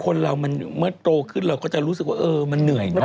คนเรามันเมื่อโตขึ้นเราก็จะรู้สึกว่าเออมันเหนื่อยเนอ